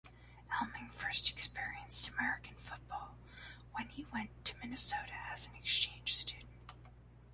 Elming first experienced American football when he went to Minnesota as an exchange student.